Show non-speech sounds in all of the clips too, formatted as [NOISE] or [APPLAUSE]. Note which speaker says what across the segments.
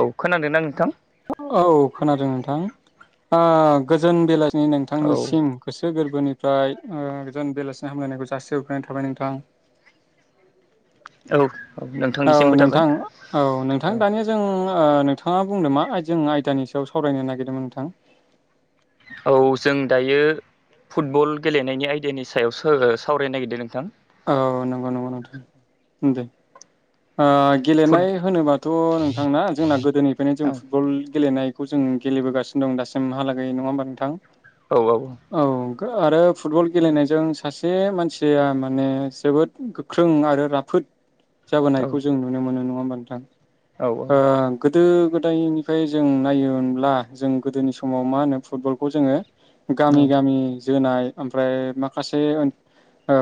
Speaker 1: औ खोनादोंना नोंथां?
Speaker 2: औ खोनादों नोंथां ओ गोजोन बेलासिनि
Speaker 1: औ
Speaker 2: नोंथांनिसिम गोसो गोरबोनिफ्राय ओ गोजान बेलासिनि हामलायनायखौ जासि हग्रोनाय थाबाय नोंथां।
Speaker 1: औ औ
Speaker 2: औ
Speaker 1: नोंथांनिसिमबो थाबाय
Speaker 2: नोंथां औ नोंथां दानिया जों ओ नोंथाङा बुंदों मा जों आयदानि सायाव सावरायनो नागिरदोंमोन नोंथां।
Speaker 1: औ जों दायो फुटबल गेलेनायनि आयदानि सायाव सो सावरायनो नागिरदों नोंथां।
Speaker 2: औ नंगौ नंगौ नोंथां दे ओ गेलेनाय
Speaker 1: फुट
Speaker 2: होनोबा थ' नोंथां जोंना गोदोनिफ्रायनो
Speaker 1: औ
Speaker 2: जों फुटबल गेलेनायखौ जों गेलेबोगासिनो दं दासिमहालागै नङा होमबा नोंथां? थां
Speaker 1: औ औ
Speaker 2: औ आरो फुटबल गेलेनायजों सासे मानसिया [UNINTELLIGIBLE] माने जोबोद गोख्रों आरो राफोद
Speaker 1: औ
Speaker 2: जाबोनायखौ जों नुनो मोनो नङा होनबा नोंथां?
Speaker 1: औ
Speaker 2: ओ गोदो गोदायनिफ्राय जों नायोमोनब्ला जों गोदोनि समाव मा होनो फुटबलखौ जोङो गामि गामि जोनाय ओमफ्राय माखासे [UNINTELLIGIBLE]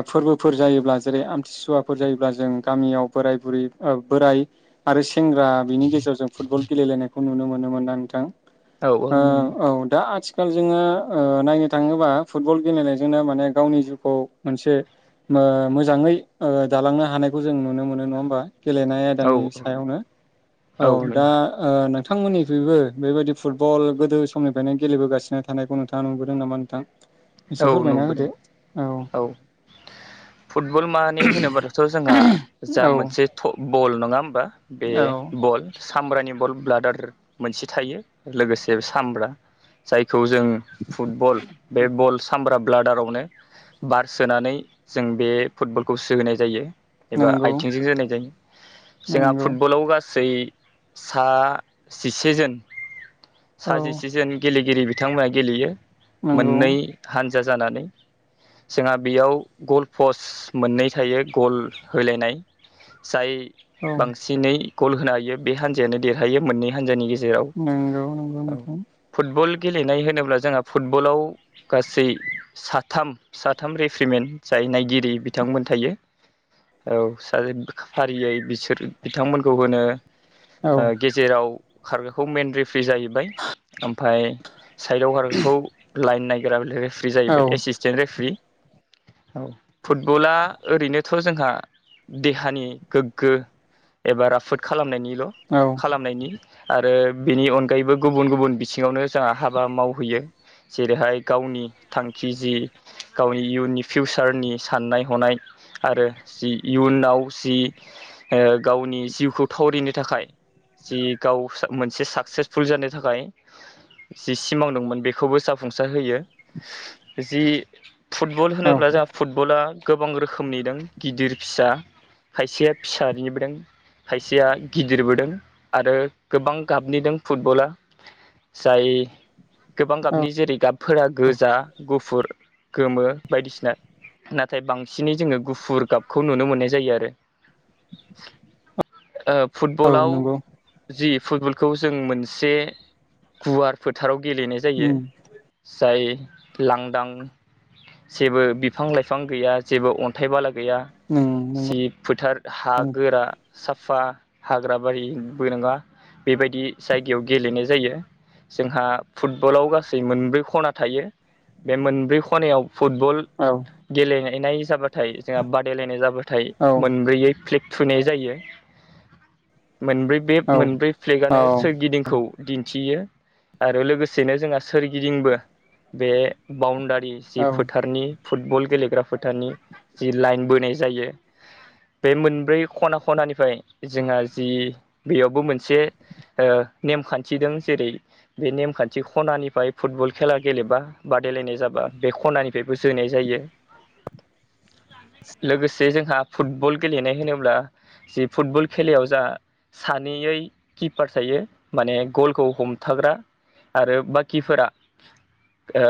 Speaker 2: फोरबोफोर जायोब्ला जेरै आमथिसुवाफोर जायोब्ला जों गामियाव बोराय बुरै ओ बोराइ आरो सेंग्रा बिनि गेजेराव फुटबल गेलेलायनायखौ नुनो मोनोमोन ना नोंथां? ओ औ दा [UNINTELLIGIBLE] आथिखाल जोङो ओ- नायनो थाङोबा फुटबल गेलेनायजोंनो माने गावनि जिउखौ मोनसे। ओ- मोजाङै ओ- दालांनो हानायखौ जों नुनो मोनो नङा होमबा गेलेनाय। आयदानि सायावनो औ- दा। ओ- नोंथांमोननिफ्राइबो बेबायदि फुटबल गोदो समनिफ्रायनो गेलेबोगासिनो थानायखौ नोंथाङा नुबोदों नामा नोंथां? एसे
Speaker 1: औ-
Speaker 2: फोरमायना
Speaker 1: नुबोदों
Speaker 2: होदो
Speaker 1: औ। फुटबल मानि होनोब्लाथ' जोंहा जा
Speaker 2: औ
Speaker 1: मोनसे। थ' बल नङा होमबा? बे
Speaker 2: औ
Speaker 1: बल। सामब्रानि बल ब्लाडार मोनसे थायो लोगोसे सामब्रा जायखौ जों फुटबल बे बल बा ब्लाडारावनो बार सोनानै जों बे फुटबलखौ सोहोनाय जायो। एबा
Speaker 2: नंगौ
Speaker 1: आयथिंजों जोनाय जायो जोंहा
Speaker 2: नंगौ
Speaker 1: फुटबलाव गासै सा जिसे जोन
Speaker 2: औ
Speaker 1: सा जिसे जोन गेलेगिरि [UNINTELLIGIBLE] बिथांमोनहा गेलेयो
Speaker 2: नंगौ
Speaker 1: मोननै हान्जा जानानै। जोंहा बेयाव गल पस्ट मोननै थायो गल होलायनाय। जाय
Speaker 2: औ
Speaker 1: बांसिनै गल होनो हायो बे हान्जायानो देरहायो मोननै हानजानि गेजेराव।
Speaker 2: नंगौ नंगौ
Speaker 1: जेराव
Speaker 2: नोंथां
Speaker 1: फुटबल गेलेनाय होनोब्ला जोंहा फुटबलाव। गासै साथाम-साथाम रेफ्रिमेन्ट जाय नायगिरि बिथांमोन थायो। औ सासे फारियै बिसोर बिथांमोनखौ होनो।
Speaker 2: औ
Speaker 1: गेजेराव खारग्राखौ मेन रिफ्रि जाहैबाय ओमफाय। साइदाव खारग्राखौ लाइन नायग्रा रेफ्रि
Speaker 2: औ
Speaker 1: जाहैबाय एसिसटेन्ट रेफ्रि। औ फुटबला ओरैनोथ' जोंहा देहानि गोग्गो। एबा राफोद खालामनायनिल'
Speaker 2: औ
Speaker 1: खालामनायनि। आरो बेनि अनगायैबो गुबुन-गुबुन बिथिङावनो जोंहा हाबा मावहैयो। जेरैहाय- गावनि थांखि जि गावनि इयुननि फिउसारनि साननाय-हनाय। आरो जि इयुनाव जि ओ गावनि जिउखौ थावरिनो थाखाय। जि गाव मोनसे साक्सेसफुल जानो थाखाय। जि सिमां दंमोन बेखौबो जाफुंसार होयो। जि फुटबल
Speaker 2: औ
Speaker 1: होनोब्ला जाहा। फुटबला गोबां रोखोमनि दं गिदिर, फिसा खायसेया फिसानिबो दों। खायसेया गिदिरबो दों आरो गोबां गाबनि दों फुटबला। जाय गोबां
Speaker 2: औ
Speaker 1: गाबनि जेरै गाब। फोरा गोजा, गुफुर, गोमो बायदिसिना। नाथाय बांसिनै जोङो गुफुर गाबखौ नुनो मोननाय जायो आरो। ओ
Speaker 2: औ
Speaker 1: फुटबलाव।
Speaker 2: नंगौ
Speaker 1: जि फुटबलखौ जों मोनसे गुवार फोथाराव गेलेनाय जायो।
Speaker 2: उम
Speaker 1: जाय लांदां जेबो बिफां-लाइफां गैया जेबो अन। अनथाय बाला गैया,
Speaker 2: उम
Speaker 1: जि
Speaker 2: नंगौ
Speaker 1: फोथार। हा गोरा साफा हाग्रा बारिबो नङा। बेबायदि जायगायाव गेलेनाय जायो। जोंहा फुटबलाव गासै मोनब्रै। ख'ना थायो। बे मोनब्रै ख'नायाव फुटबल।
Speaker 2: औ।
Speaker 1: गेलेनायनाय जाबाथाय जोंहा बादायलायनाय जाबाथाय
Speaker 2: औ
Speaker 1: मोनब्रैयै फ्लेक। थुनाय जायो। मोनब्रै बे
Speaker 2: औ
Speaker 1: मोनब्रै
Speaker 2: औ
Speaker 1: फ्लेगानो सोरगिदिंखौ। दिन्थियो आरो लोगोसेनो जोंहा सोरगिदिंबो। बे बाउण्डारि जि
Speaker 2: औ
Speaker 1: फोथारनि। फुटबल गेलेग्रा फोथारनि जि लाइन बोनाय जायो। बे मोनब्रै खना-खनानिफ्राय जोंहा जि बेयावबो मोनसे। ओ नेमखान्थि दों। जेरै- बे नेमखान्थि खनानिफ्राय फुटबल। खेला गेलेबा बादायलायनाय जाबा बे खनानिफ्रायबो जोनाय जायो। लोगोसे जोंहा फुटबल गेलेनाय होनोब्ला। जि फुटबल खेलायाव जा सानैयै किपार थायो, माने गलखौ हमथाग्रा आरो बाखिफोरा ओ